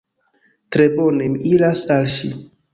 Tre bone, mi iras al ŝi.